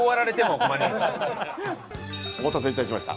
お待たせ致しました。